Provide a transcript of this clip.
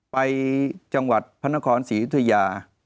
ไปจังหวัดพระนครศรียุธยา